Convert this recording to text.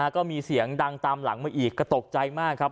ก็มีเสียงดังตามหลังมาอีกก็ตกใจมากครับ